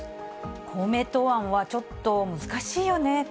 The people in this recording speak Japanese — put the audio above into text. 公明党案はちょっと難しいよねと。